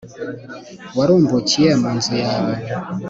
warumbukiye mu nzu yawe